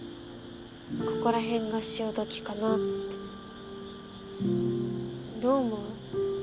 ここら辺が潮時かなってどう思う？